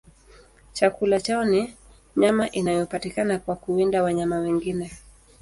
Chakula chao ni nyama inayopatikana kwa kuwinda wanyama wengine.